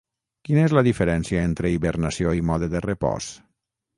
Quina és la diferència entre hibernació i mode de repòs?